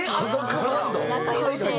仲良し！